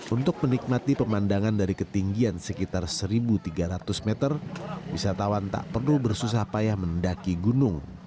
untuk menikmati pemandangan dari ketinggian sekitar satu tiga ratus meter wisatawan tak perlu bersusah payah mendaki gunung